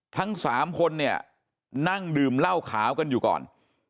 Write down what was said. ทั้ง๓คนเนี่ยนั่งดื่มเหล้าขาวกันอยู่ก่อน